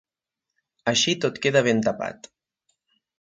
Així tot queda ben tapat.